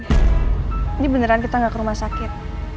ini beneran kita nggak ke rumah sakit